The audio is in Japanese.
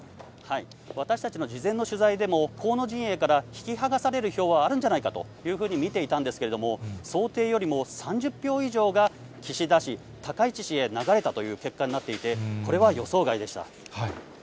私たちの事前の取材でも、河野陣営から引き剥がされる票はあるんじゃないかというふうに見ていたんですけれども、想定よりも３０票以上が、岸田氏、高市氏へ流れたという結果になっていて、これは予想外でした。